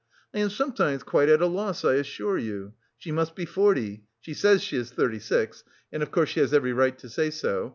I am sometimes quite at a loss, I assure you.... She must be forty; she says she is thirty six, and of course she has every right to say so.